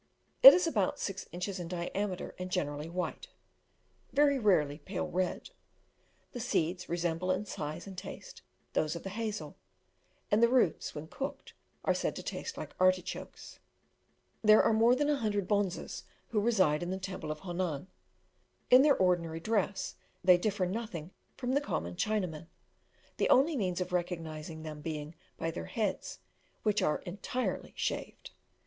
It is about six inches in diameter, and generally white very rarely pale red. The seeds resemble in size and taste those of the hazel; and the roots, when cooked, are said to taste like artichokes. There are more than a hundred bonzes who reside in the temple of Honan. In their ordinary dress, they differ nothing from the common Chinamen, the only means of recognising them being by their heads, which are entirely shaved.